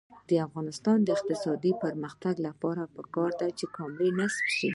د افغانستان د اقتصادي پرمختګ لپاره پکار ده چې کامرې نصب شي.